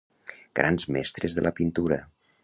Grans mestres de la pintura.